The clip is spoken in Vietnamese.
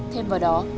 thêm vào đó